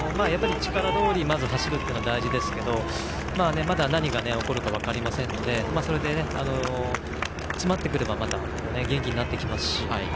力どおり走るのが大事ですけどまだ何が起こるか分かりませんのでそれで、詰まってくればまた元気になりますし。